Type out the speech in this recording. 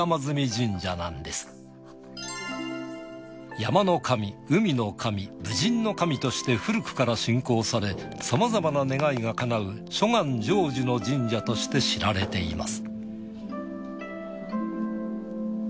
山の神海の神武人の神として古くから信仰されさまざまな願いが叶う諸願成就の神社として知られています。